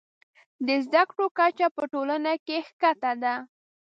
د زده کړو کچه په ټولنه کې ښکته ده.